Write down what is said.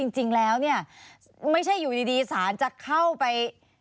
จริงแล้วเนี่ยไม่ใช่อยู่ดีสารจะเข้าไป